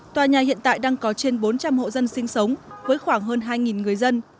tòa nhà hiện tại đang có trên bốn trăm linh hộ dân sinh sống với khoảng hơn hai người dân